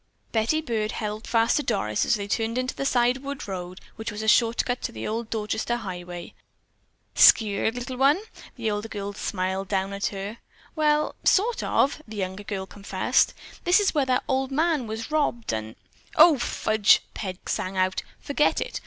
Betty Byrd held fast to Doris as they turned into the side wood road which was a shortcut to the old Dorchester highway. "Skeered, little one?" the older girl smiled down at her. "Well, sort of," the younger girl confessed. "This is where that old man was robbed, and——" "O, fudge," Peg sang out. "Forget it!